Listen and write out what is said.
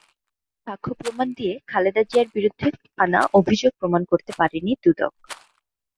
কোনো সাক্ষ্যপ্রমাণ দিয়ে খালেদা জিয়ার বিরুদ্ধে আনা অভিযোগ প্রমাণ করতে পারেনি দুদক।